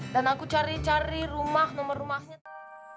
dan aku cari cari rumah nomor rumahnya